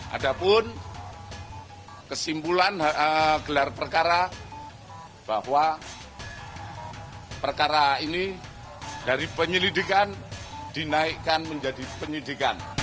ada pun kesimpulan gelar perkara bahwa perkara ini dari penyelidikan dinaikkan menjadi penyidikan